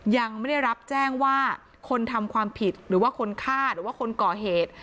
ยังไม่ได้รับแจ้งว่าคนทำความผิดหรือว่าคนฆ่าหรือว่าคนก่อเหตุ